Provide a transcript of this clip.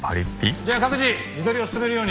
じゃあ各自地取りを進めるように。